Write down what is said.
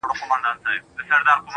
يو ارمان مې هم د زړه نه پوره كېږي